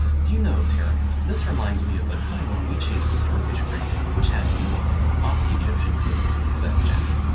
"Do you know, Terence, this reminds me of the time when we chased the Turkish frigate which had you on board off the Egyptian coast," said Jack.